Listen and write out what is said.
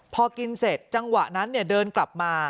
พอกินเสร็จจังหวะนั้นเดินกลับมา